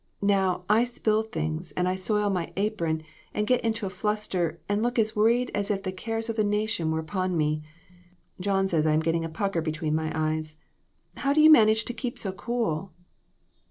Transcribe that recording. Now, I spill things, and I soil my apron, and get into a fluster, and look as worried as if the cares of the nation were upon me. John says I am getting a pucker between my eyes. How do you manage to keep so cool